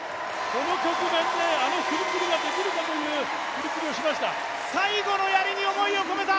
この局面であの振り切りができるかという振り切りをしました。